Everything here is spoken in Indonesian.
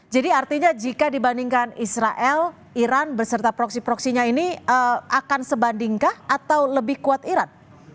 jadi artinya jika dibandingkan israel iran berserta proksi proksinya ini akan sebandingkah atau lebih kuat iran